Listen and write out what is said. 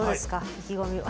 意気込みは。